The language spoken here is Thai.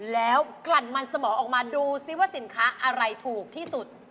แล้วกลั่นมันสมองออกมาดูซิว่าสินค้าอะไรถูกที่สุด